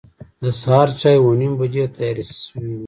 د سهار چای اوه نیمې بجې تیار شوی و.